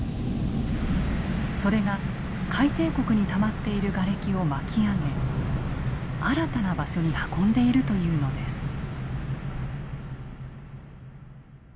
それが海底谷にたまっているガレキを巻き上げ新たな場所に運んでいるというのです。